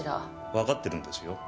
わかってるんですよ。